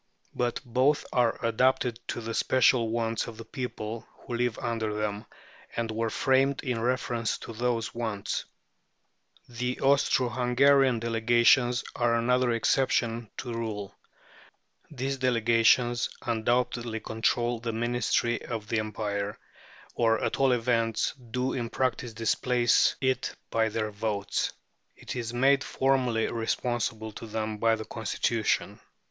But both are adapted to the special wants of the people who live under them, and were framed in reference to those wants. The Austro Hungarian Delegations are another exception to the rule. These Delegations undoubtedly control the ministry of the Empire, or at all events do in practice displace it by their votes. It is made formally responsible to them by the Constitution.